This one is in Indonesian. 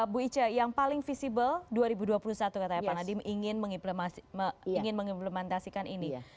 bu ice yang paling visible dua ribu dua puluh satu katanya pak nadiem ingin mengimplementasikan ini